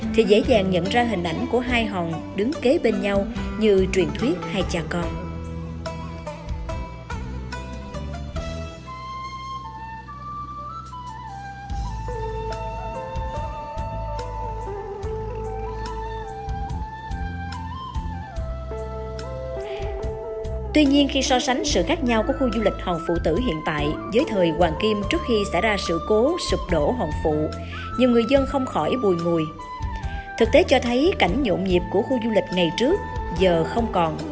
thì dễ dàng nhận ra hình ảnh của hai hòn đứng kế bên nhau như truyền thuyết hay trà con